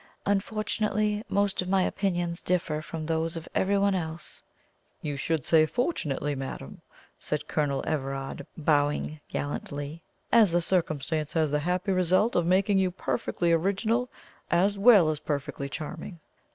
Unfortunately most of my opinions differ from those of everyone else." "You should say FORTUNATELY, madame," said Colonel Everard, bowing gallantly; "as the circumstance has the happy result of making you perfectly original as well as perfectly charming."